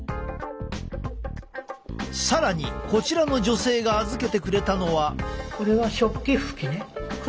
更にこちらの女性が預けてくれたのは。